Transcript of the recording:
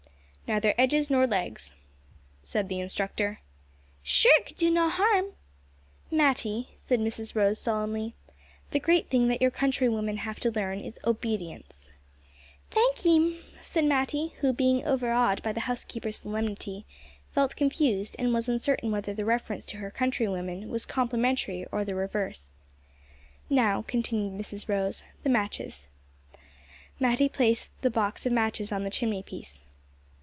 "Neither edges nor legs," said the instructor. "Sure it could do no harm." "Matty," said Mrs Rose solemnly, "the great thing that your countrywomen have to learn is obedience." "Thank 'ee, 'm," said Matty, who, being overawed by the housekeeper's solemnity, felt confused, and was uncertain whether the reference to her countrywomen was complimentary or the reverse. "Now," continued Mrs Rose, "the matches." Matty placed the box of matches on the chimney piece.